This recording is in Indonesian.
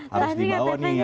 harus dibawa nih